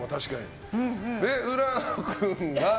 浦野君が。